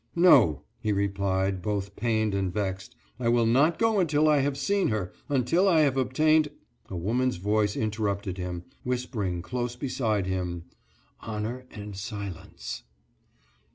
"No," he replied, both pained and vexed, "I will not go until I have seen her until I have obtained " A woman's voice interrupted him, whispering close beside him, "Honor and silence."